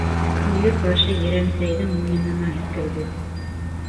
Өйөр башы Ерәнсәйҙең муйынына һикерҙе.